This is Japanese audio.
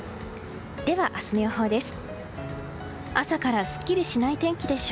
では明日の予報です。